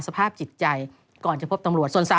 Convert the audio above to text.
สภาพจิตใจมันแก้ยากเลยแหละ